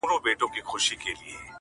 له هغه وخته مو خوښي ليدلې غم نه راځي,